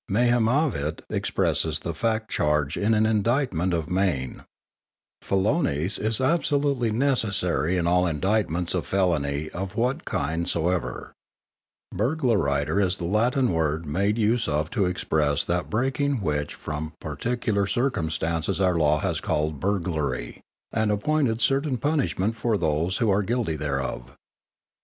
_ Mayhemaivit expresses the fact charged in an indictment of maim; Felonice is absolutely necessary in all indictments of felony of what kind soever; Burglariter _is the Latin word made use of to express that breaking which from particular circumstances our Law has called burglary, and appointed certain punishment for those who are guilty thereof.